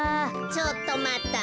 「ちょっとまった！